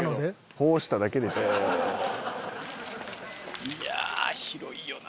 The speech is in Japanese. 「こうしただけでしょ」いや広いよな